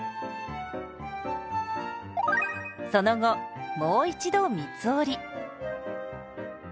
その後もう一度三つ折り。